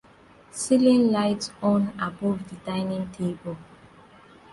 Ceiling light on above the dining table.